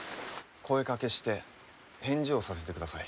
声かけして返事をさせてください。